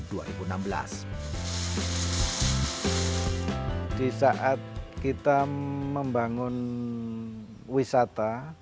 di saat kita membangun wisata